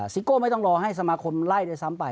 ซิโก้ไม่ต้องรอให้สมาคมไล่ด้วยซ้ำไป